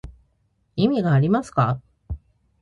意味がありますか